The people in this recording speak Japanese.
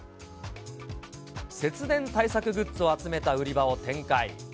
節電対策グッズを集めた売り場を展開。